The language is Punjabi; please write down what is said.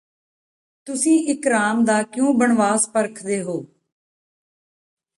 ਤੁਸੀਂ ਇਕ ਰਾਮ ਦਾ ਕਿਉਂ ਬਣਵਾਸ ਪਰਖਦੇ ਹੋ